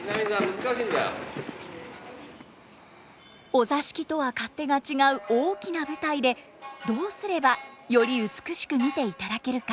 お座敷とは勝手が違う大きな舞台でどうすればより美しく見ていただけるか。